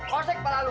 kosek kepala lu